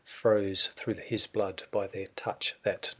Froze through his blood by their touch that night.